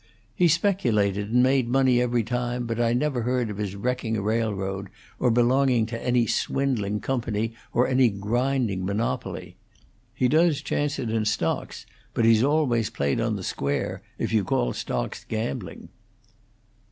He's speculated and made money every time, but I never heard of his wrecking a railroad or belonging to any swindling company or any grinding monopoly. He does chance it in stocks, but he's always played on the square, if you call stocks gambling."